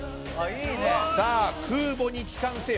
さあ、空母に帰還せよ！